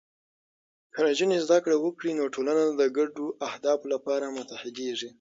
که نجونې زده کړه وکړي، نو ټولنه د ګډو اهدافو لپاره متحدېږي.